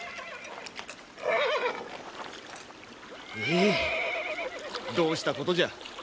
ええいどうしたことじゃ。